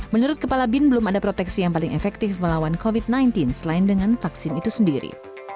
menurut kepala bin belum ada proteksi yang paling efektif melawan covid sembilan belas selain dengan vaksin itu sendiri